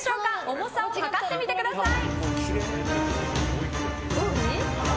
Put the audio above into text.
重さを量ってみてください。